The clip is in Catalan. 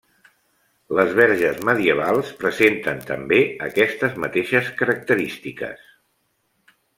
Les verges medievals presenten també aquestes mateixes característiques.